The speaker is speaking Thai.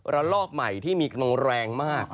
แล้วลอกใหม่ที่มีตรงแรงมาก